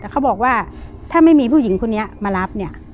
แต่เขาบอกว่าถ้าไม่มีผู้หญิงคนนี้มารับเนี่ย